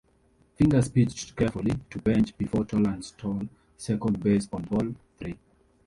Fingers pitched carefully to Bench before Tolan stole second base on ball three.